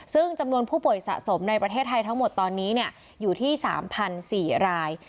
ซึ่งจำนวนผู้ป่วยสะสมในประเทศไทยทั้งหมดตอนนี้อยู่ที่๓๔ราย